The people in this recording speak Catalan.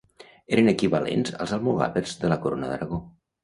Eren equivalents als Almogàvers de la Corona d'Aragó.